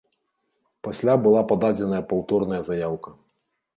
Пасля была пададзеная паўторная заяўка.